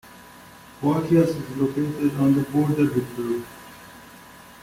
Huaquillas is located on the border with Peru.